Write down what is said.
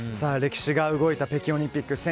歴史が動いた北京オリンピック。